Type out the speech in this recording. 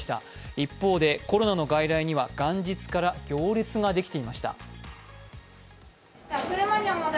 一方でコロナの外来には元日から行列ができていました。